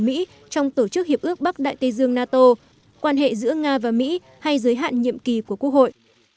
mỹ trong tổ chức hiệp ước bắc đại tây dương nato quan hệ giữa nga và mỹ hay giới hạn nhiệm kỳ của quốc hội